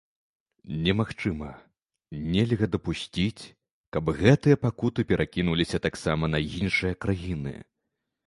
Немагчыма, нельга дапусціць, каб гэтыя пакуты перакінуліся таксама на іншыя краіны.